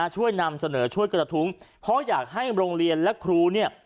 นำเสนอช่วยกระทุ้งเพราะอยากให้โรงเรียนและครูเนี่ย